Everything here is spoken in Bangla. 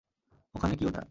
ওখানে কী ওটা?